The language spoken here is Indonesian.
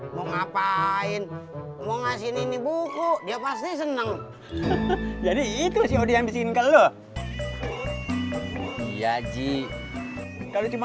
mau ngapain mau ngasih ini buku dia pasti seneng jadi itu siodean single loh iya ji kalau cuma